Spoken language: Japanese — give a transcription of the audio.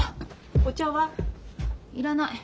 お茶は？いらない。